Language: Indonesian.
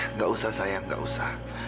nggak usah saya nggak usah